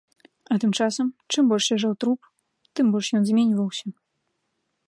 А тым часам, чым больш ляжаў труп, тым больш ён зменьваўся.